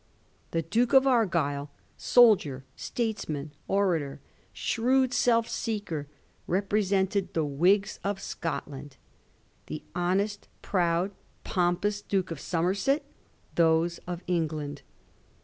The Duke of Argyll, soldier, statesman, orator, shrewd self seeker, represented the Whigs of Scotland ; the honest, proud, pompous Duke of Somerset, those of England.